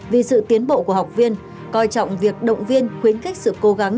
vì sự tiến bộ của học viên coi trọng việc động viên khuyến khích sự cố gắng